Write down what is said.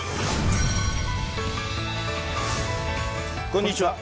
こんにちは。